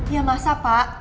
ya masa pak